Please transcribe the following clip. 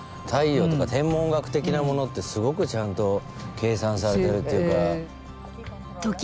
太陽とか天文学的なものってすごくちゃんと計算されてるっていうか。